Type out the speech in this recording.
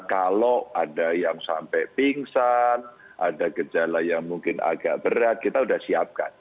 kalau ada yang sampai pingsan ada gejala yang mungkin agak berat kita sudah siapkan